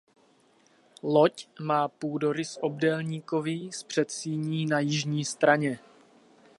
Loď má půdorys obdélníkový s předsíní na jižní straně.